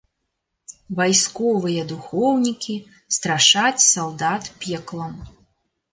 Вайсковыя духоўнікі страшаць салдат пеклам.